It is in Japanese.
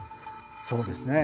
そうですね